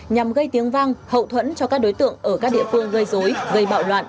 nhằm gây tiếng vang hậu thuẫn cho các đối tượng ở các địa phương gây dối gây bạo loạn